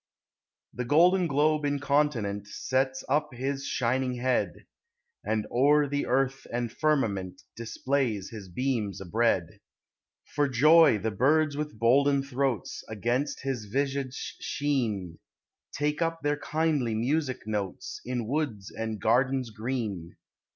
THE SEASONS. 105 The golden globe incontinent Sets up his shining head, And o'er the earth and firmament Displays his beams abread. For joy the birds with boulden throats Against his visage sheen Take up their kindly musick notes In woods and gardens green.